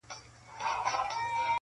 معرفت ته یې حاجت نه وینم چاته,